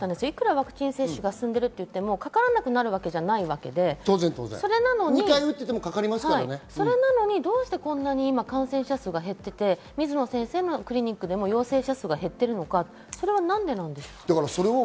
ワクチン接種が進んでもかからなくなるわけじゃないわけで、それなのにどうしてこんなに今、感染者数が減っていて、水野先生のクリニックでも陽性者数が減っているのか、何でなんでしょう？